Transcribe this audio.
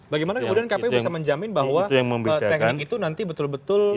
bagaimana kemudian kpu bisa menjamin bahwa teknik itu nanti betul betul sesuai dengan aturan nya